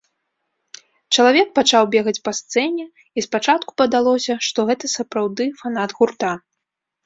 Чалавек пачаў бегаць па сцэне, і спачатку падалося, што гэта сапраўды фанат гурта.